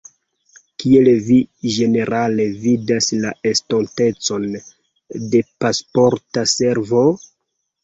Kiel vi ĝenerale vidas la estontecon de Pasporta Servo?